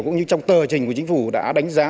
cũng như trong tờ trình của chính phủ đã đánh giá